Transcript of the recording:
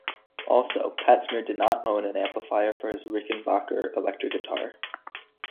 Also, Pat Smear did not own an amplifier for his Rickenbacker electric guitar.